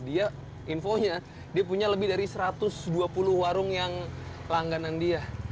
dia infonya dia punya lebih dari satu ratus dua puluh warung yang langganan dia